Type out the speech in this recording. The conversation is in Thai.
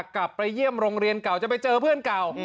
กลับไปเยี่ยมโรงเรียนเก่าจะไปเจอเพื่อนเก่า